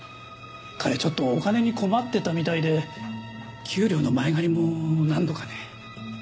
彼ちょっとお金に困ってたみたいで給料の前借りも何度かね。